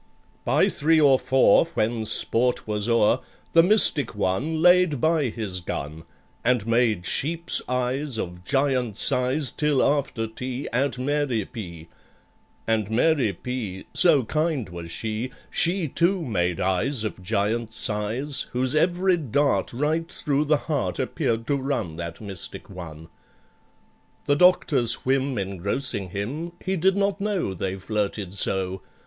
By three or four, when sport was o'er, The Mystic One laid by his gun, And made sheep's eyes of giant size, Till after tea, at MARY P. And MARY P. (so kind was she), She, too, made eyes of giant size, Whose every dart right through the heart Appeared to run that Mystic One. The Doctor's whim engrossing him, He did not know they flirted so.